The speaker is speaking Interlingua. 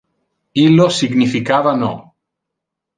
Illo significava no.